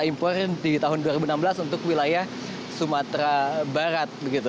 ini diberikan jatah kuota impor di tahun dua ribu enam belas untuk wilayah sumatera barat